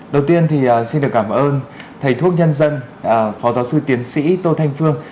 đầu tiên thì xin được cảm ơn thầy thuốc nhân dân phó giáo sư tiến sĩ tô thanh phương